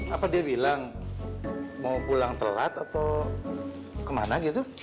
apa dia bilang mau pulang telat atau kemana gitu